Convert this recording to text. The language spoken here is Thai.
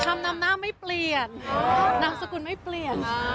คำนำหน้าไม่เปลี่ยนนามสกุลไม่เปลี่ยน